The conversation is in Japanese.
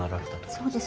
そうです。